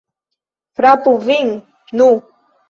Frapu vin, nu!